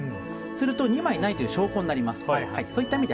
すると２枚ないという証拠になります。